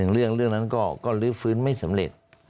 เรื่องนั้นก็ลื้อฟื้นไม่สำเร็จ